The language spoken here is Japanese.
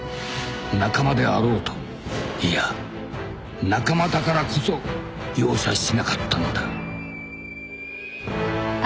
［仲間であろうといや仲間だからこそ容赦しなかったのだ］